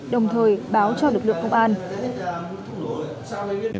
đồng thời báo cho lực lượng công an